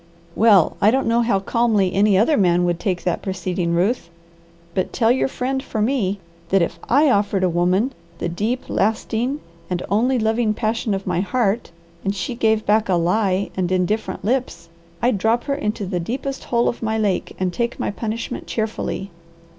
Well I don't know how calmly any other man would take that proceeding, Ruth, but tell your friend for me, that if I offered a woman the deep, lasting, and only loving passion of my heart, and she gave back a lie and indifferent lips, I'd drop her into the deepest hole of my lake and take my punishment cheerfully."